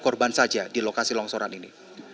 korban saja di lokasi longsoran ini